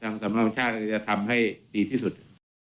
ทางสำนักมพิชาธิประเภทจะทำให้ดีที่สุด